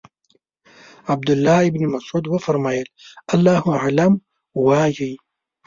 عبدالله ابن مسعود وفرمایل الله اعلم وایئ.